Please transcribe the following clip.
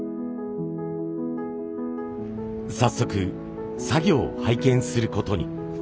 早速作業を拝見することに。